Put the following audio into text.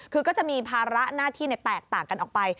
คือก็จะมีภาระหน้าที่แตกต่างกันออกไป